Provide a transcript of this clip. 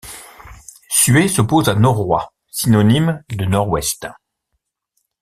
Suet s'oppose à noroît, synonyme de nord-ouest.